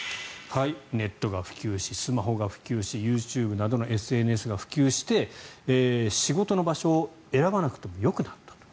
ネットが普及し、スマホが普及しＹｏｕＴｕｂｅなどのＳＮＳが普及して仕事の場所を選ばなくてもよくなったと。